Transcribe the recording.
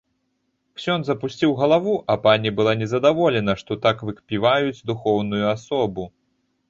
Ксёндз апусціў галаву, а пані была незадаволена, што так выкпіваюць духоўную асобу.